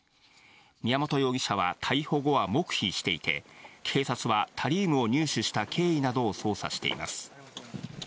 宮本容疑者は、逮捕後は黙秘していて、警察はタリウムを入手した経緯などを捜査しています。